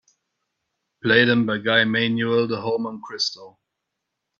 play them by Guy-manuel De Homem-christo